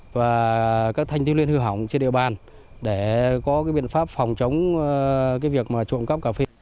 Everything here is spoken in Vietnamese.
và các thanh tiêu liên hư hỏng trên địa bàn để có biện pháp phòng chống việc trộm cắp cà phê